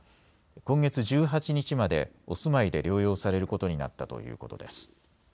今月１８日までお住まいで療養されることになったということです。